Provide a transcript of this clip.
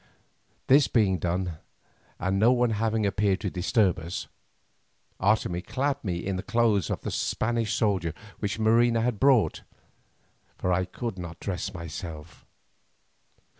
This being done and no one having appeared to disturb us, Otomie clad me in the clothes of a Spanish soldier which Marina had brought, for I could not dress myself.